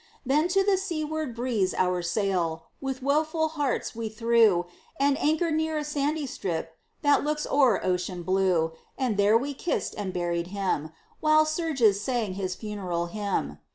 Then to the seaward breeze our sail With woful hearts we threw; And anchored near a sandy strip That looks o'er ocean blue: And there we kissed and buried him, While surges sang his funeral hymn.